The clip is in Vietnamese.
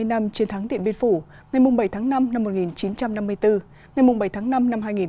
bảy mươi năm chiến thắng điện biên phủ ngày bảy tháng năm năm một nghìn chín trăm năm mươi bốn ngày bảy tháng năm năm hai nghìn hai mươi bốn